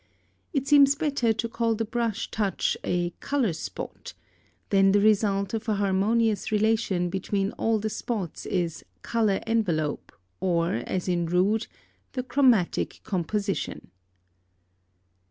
It seems better to call the brush touch a color spot: then the result of an harmonious relation between all the spots is color envelope, or, as in Rood, "the chromatic composition."